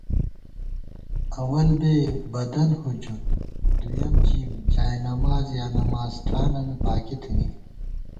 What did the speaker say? اوَل بے، بدن ہجوت، دُویَم جیم، جائےنماز یا نماز ٹھاننی پاکی تھنی